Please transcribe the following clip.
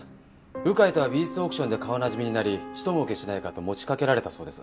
鵜飼とは美術オークションで顔なじみになりひと儲けしないかと持ち掛けられたそうです。